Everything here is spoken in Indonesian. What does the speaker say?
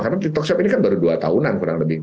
karena tiktok shop ini kan baru dua tahunan kurang lebih